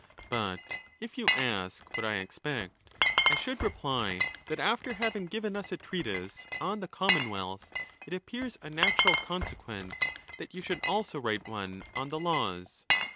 —But, if you ask what I expect, I should reply, that after having given us a treatise on the Common wealth, it appears a natural consequence that you should also write one on the Laws.